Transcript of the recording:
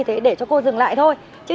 mày biết con này hai năm tủ chưa